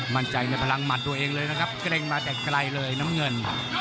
มั่นใจในพลังหมัดตัวเองเลยนะครับเกร็งมาแต่ไกลเลยน้ำเงิน